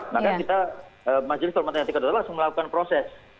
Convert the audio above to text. maka kita majelis kehormatan etik adalah langsung melakukan proses